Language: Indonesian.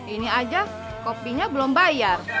ini aja kopinya belum bayar